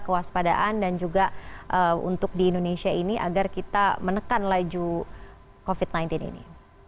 kewaspadaan dan juga untuk di indonesia ini agar kita menekan laju covid sembilan belas ini